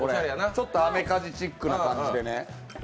ちょっとアメカジチックな感じでね。